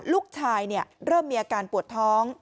ลูกชายเริ่มมีอาการปวดท้อง